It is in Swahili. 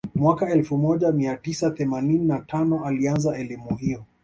mwaka elfu moja mia tisa theemanini na tano alianza elimu hiyo